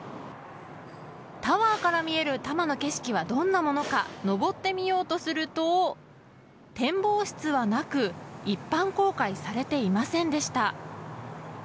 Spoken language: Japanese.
タワーから見える多摩の景色はどんなものか上ってみようとすると展望室はなく一般公開されていませんでした。